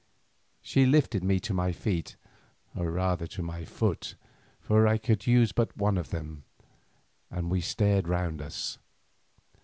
She lifted me to my feet, or rather to my foot, for I could use but one of them, and we stared round us.